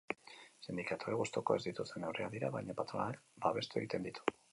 Sindikatuek gustuko ez dituzten neurriak dira, baina patronalak babestu egiten ditu.